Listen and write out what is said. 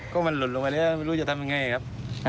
ก็มันหลุดลงมาแล้วไม่รู้จะทำอย่างไรครับ